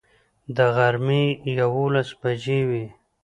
د غرمې یوولس بجې وې.